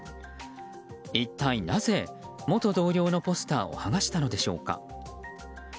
一体なぜ、元同僚のポスターを剥がしたのでしょうか。